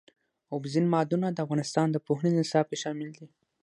اوبزین معدنونه د افغانستان د پوهنې نصاب کې شامل دي.